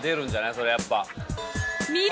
それやっぱ。